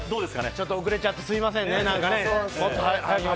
ちょっと遅れちゃってすみませんね、なんかね。